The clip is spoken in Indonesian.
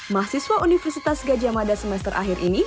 mahasiswa universitas gajah mada semester akhir ini